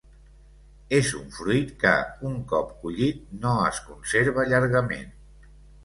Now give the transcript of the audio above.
És un fruit que, un cop collit, no es conserva llargament.